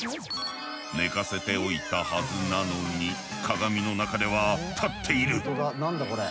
寝かせて置いたはずなのに鏡の中では立っている！